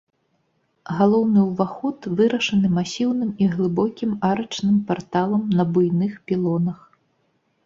Галоўны ўваход вырашаны масіўным і глыбокім арачным парталам на буйных пілонах.